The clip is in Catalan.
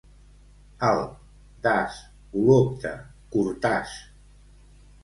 Alp, Das, Olopte, Cortàs.